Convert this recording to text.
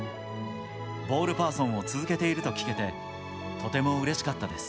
ボールパーソンを続けていると聞けてとても嬉しかったです。